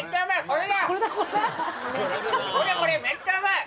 めっちゃうまい！